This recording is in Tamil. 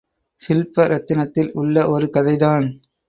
சில்ப ரத்தினத்தில் உள்ள ஒரு கதைதான்.